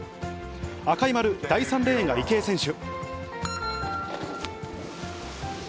赤い丸、第３レーンが池江選手。